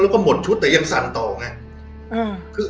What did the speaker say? แล้วก็หมดชุดแต่ยังทรรษต่อไงอือ